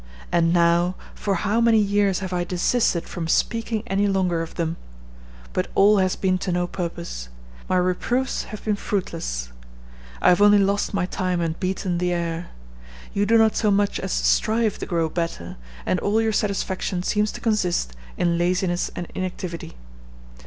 And now, for how many years have I desisted from speaking any longer of them! But all has been to no purpose. My reproofs have been fruitless. I have only lost my time and beaten the air. You do not so much as strive to grow better, and all your satisfaction seems to consist in laziness and inactivity.